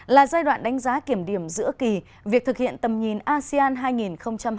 là giai đoạn đánh giá kiểm điểm giữa kỳ việc thực hiện tầm nhìn asean hai nghìn hai mươi năm